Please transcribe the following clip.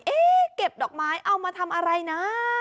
เก็บดอกไม้เอามาทำอะไรนะ